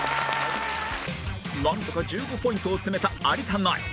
なんとか１５ポイントを詰めた有田ナイン